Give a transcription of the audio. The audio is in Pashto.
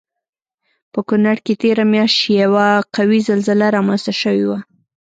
په کنړ کې تېره میاشت یوه قوي زلزله رامنځته شوی وه